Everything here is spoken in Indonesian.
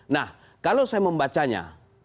nah kalau saya membacanya